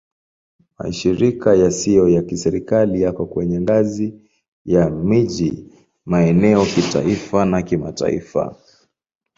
Mashirika yasiyo ya Kiserikali yako kwenye ngazi ya miji, maeneo, kitaifa na kimataifa.